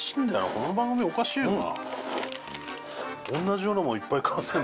この番組おかしいよな。